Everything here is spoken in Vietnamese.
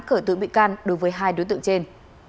khởi tố bị can đối với hai đối tượng trên